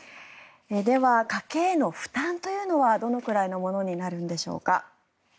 では、家計への負担というのはどのくらいのものになるのでしょうか。